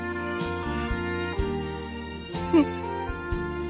うん。